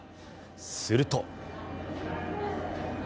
すると。